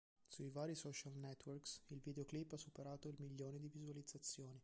Sui vari social networks il videoclip ha superato il milione di visualizzazioni.